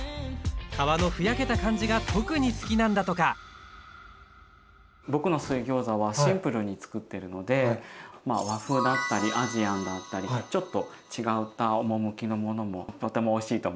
皮のふやけた感じが特に好きなんだとか僕の水ギョーザはシンプルにつくってるのでまあ和風だったりアジアンだったりちょっと違った趣のものもとてもおいしいと思います。